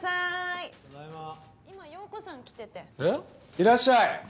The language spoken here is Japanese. いらっしゃい！